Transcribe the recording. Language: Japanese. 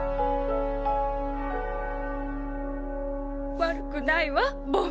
悪くないわボン。